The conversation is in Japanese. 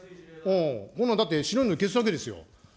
こんなんだって、白いの消すだけですよ。